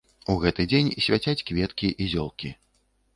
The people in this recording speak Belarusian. У гэты дзень свяцяць кветкі і зёлкі.